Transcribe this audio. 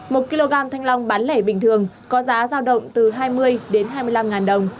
một kg thanh long bán lẻ bình thường có giá giao động từ hai mươi đến hai mươi năm ngàn đồng